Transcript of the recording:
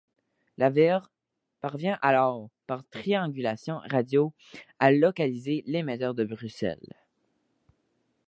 L'Abwehr parvient alors, par triangulation radio, à localiser l'émetteur de Bruxelles.